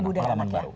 ibu dan anaknya